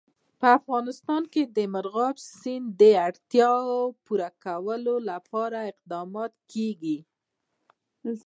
په افغانستان کې د مورغاب سیند د اړتیاوو پوره کولو لپاره اقدامات کېږي.